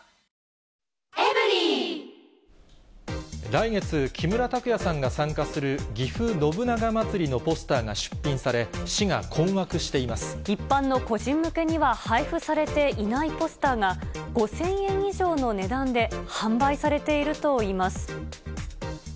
来月、木村拓哉さんが参加するぎふ信長まつりのポスターが出品され、一般の個人向けには配布されていないポスターが、５０００円以上の値段で販売されているといいます。